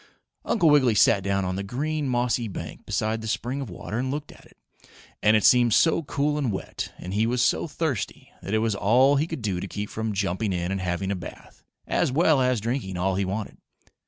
Uncle Wiggily sat down on the green, mossy bank beside the spring of water and looked at it. And it seemed so cool and wet, and he was so thirsty, that it was all he could do to keep from jumping in and having a bath, as well as drinking all he wanted.